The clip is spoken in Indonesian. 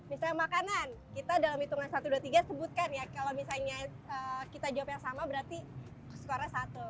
misalnya makanan kita dalam hitungan satu dua tiga sebutkan ya kalau misalnya kita jawab yang sama berarti skornya satu